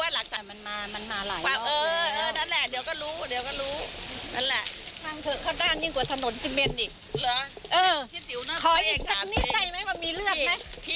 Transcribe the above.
หลักฐานเท็จเหรอ